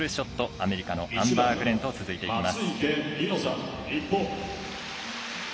アメリカのアンバー・グレンと続いていきます。